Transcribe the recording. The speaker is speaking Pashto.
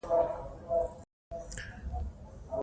استاد بينوا د ټولنې ستونزي درک کړی وي.